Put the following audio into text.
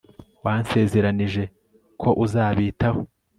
Wansezeranije ko uzabitaho